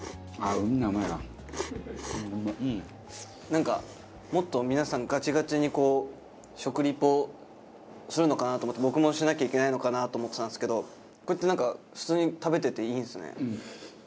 なんかもっと皆さんガチガチにこう食リポするのかなと思って僕もしなきゃいけないのかなと思ってたんですけどこれってなんか。